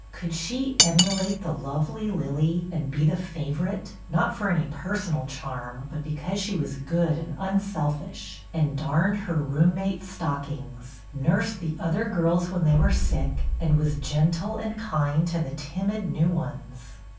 Could she emulate the lovely Lillie, and be the favorite, not for any personal charm, but because she was good, and unselfish, and darned her roommate's stockings, nursed the other girls when they were sick, and was gentle and kind to the timid new ones?